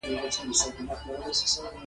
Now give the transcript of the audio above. بایسکل چلول ټینګې ارادې ته اړتیا لري.